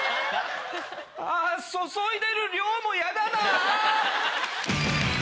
あぁ注いでる量も嫌だなぁ！